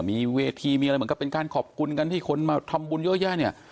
มีเวทีมีอะไรเหมือนกับเป็นการขอบคุณกันที่คนมาทำบุญเยอะแยะเนี่ย